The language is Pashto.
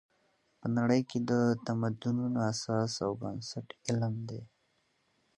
په نړۍ کې د تمدنونو اساس او بنسټ علم دی.